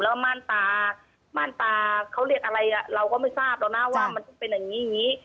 แล้วม่านตาม่านตาเขาเรียกอะไรเราก็ไม่ทราบแล้วนะว่ามันเป็นอย่างนี้อย่างนี้